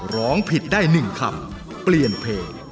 ร้องผิดได้๑คำเปลี่ยนเพลง